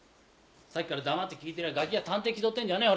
さっきから黙って聞いてりゃガキが探偵気取ってんじゃねえ。